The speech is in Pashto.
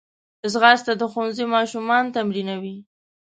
ځغاسته د ښوونځي ماشومان تمرینوي